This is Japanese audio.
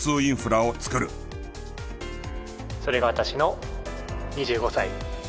それが私の２５歳。